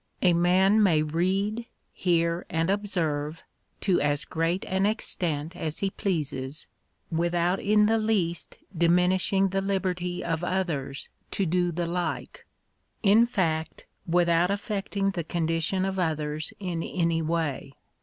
A man may read, hear, and observe, to as great an extent as he pleases, without in the least diminishing the liberty of others to do the like — in fact, without affecting the condition of others in any way.